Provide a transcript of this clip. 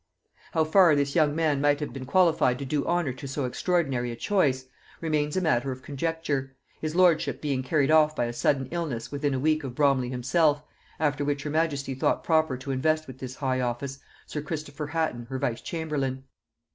How far this young man might have been qualified to do honor to so extraordinary a choice, remains matter of conjecture; his lordship being carried off by a sudden illness within a week of Bromley himself, after which her majesty thought proper to invest with this high office sir Christopher Hatton her vice chamberlain.